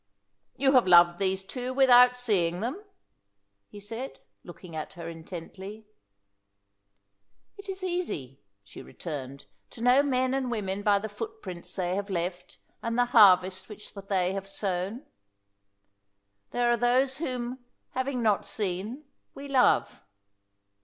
"You have loved these two without seeing them?" he said, looking at her intently. "It is easy," she returned, "to know men and women by the footprints they have left and the harvest which they have sown. There are those whom, having not seen, we love."